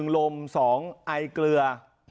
ลม๒ไอเกลือ